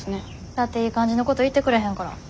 だっていい感じのこと言ってくれへんから。